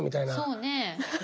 そうねえ。